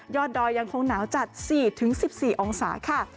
ดอยยังคงหนาวจัด๔๑๔องศาค่ะ